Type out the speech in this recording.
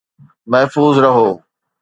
محفوظ رهو